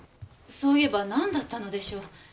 そういえば何だったのでしょう？